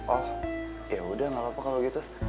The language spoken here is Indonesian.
oh ya udah gak apa apa kalau gitu